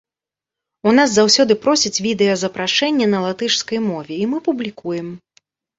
У нас заўсёды просяць відэазапрашэнне на латышскай мове і мы публікуем.